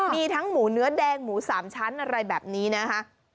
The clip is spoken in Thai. มีทั้งหมูเนื้อแดงหมู๓ชั้นอะไรแบบนี้นะคะ